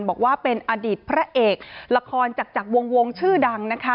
บอกว่าเป็นอดีตพระเอกละครจากวงชื่อดังนะคะ